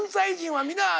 はい。